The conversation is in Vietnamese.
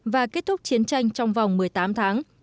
và kết thúc chiến tranh trong vòng một mươi tám tháng